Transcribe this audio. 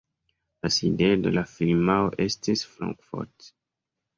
La sidejo de la firmao estis Frankfurt.